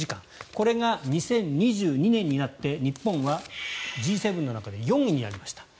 これが２０２２年になって日本はＧ７の中で４位になりました。